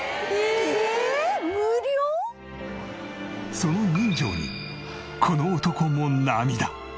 その人情にこの男も涙。